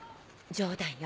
冗談よ